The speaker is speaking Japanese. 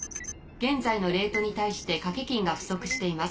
現在のレートに対して賭け金が不足しています。